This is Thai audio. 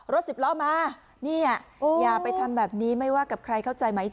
สิบล้อมาเนี่ยอย่าไปทำแบบนี้ไม่ว่ากับใครเข้าใจไหม